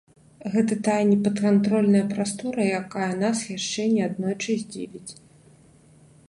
Гэта тая непадкантрольная прастора, якая нас яшчэ не аднойчы здзівіць.